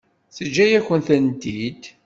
Teǧǧa-yakent-tent-id.